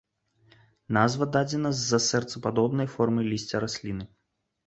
Назва дадзена з-за сэрцападобнай формы лісця расліны.